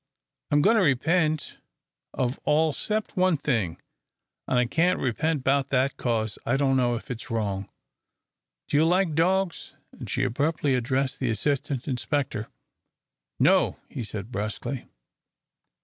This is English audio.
I'm goin' to repent of all 'cept one thing, an' I can't repent 'bout that 'cause I dunno if it's wrong. Do you like dogs?" and she abruptly addressed the assistant inspector. "No," he said, brusquely.